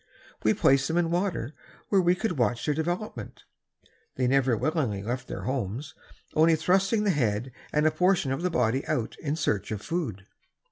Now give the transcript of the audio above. We placed them in water, where we could watch their development. They never willingly left their homes, only thrusting the head and a portion of the body out in search of food.